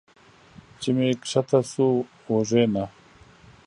چې مې ښکته شو اوږې نه